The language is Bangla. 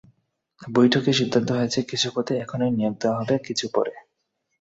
বৈঠকে সিদ্ধান্ত হয়েছে, কিছু পদে এখনই নিয়োগ দেওয়া হবে, কিছু পরে।